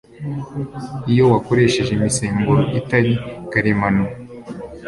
iyo wakoresheje imisemburo itari karemano